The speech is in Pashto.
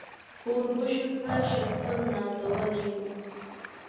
په اوربشو په شفتلو نازولي وو.